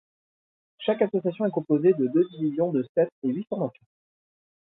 Chaque association est composée de deux divisions de sept et huit formations.